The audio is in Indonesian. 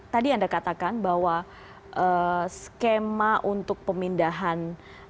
tadi anda katakan bahwa skema untuk pemindahan